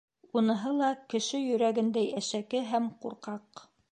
Уныһы ла кеше йөрәгендәй әшәке һәм ҡурҡаҡ.